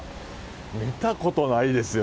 見たことないですよ